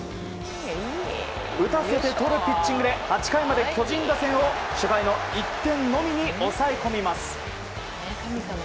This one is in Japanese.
打たせてとるピッチングで８回まで巨人打線を初回の１点のみに抑えます。